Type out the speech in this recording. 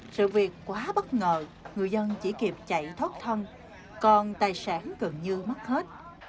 sự việc quá bất ngờ người dân chỉ kịp chạy thoát thân còn tài sản gần như mất hết